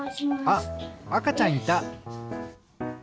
あっあかちゃんいた。